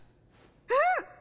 うん！